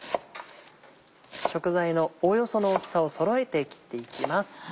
食材のおおよその大きさをそろえて切っていきます。